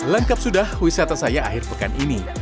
lengkap sudah wisata saya akhir pekan ini